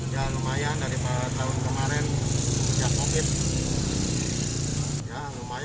lumayan dari tahun kemarin jatuh it ya lumayanlah ya lumayan banyak banyak hai ya normal kembali